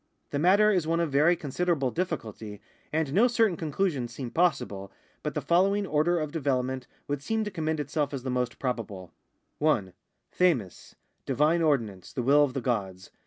The matter is one of very considerable difficulty, and no certain conclusions seem possible, but the following order of development would seem to commend itself as the most probable :— 1. QffxiQ, divine ordinance, the will of the gods.